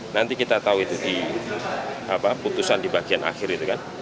nanti kita tahu itu di putusan di bagian akhir itu kan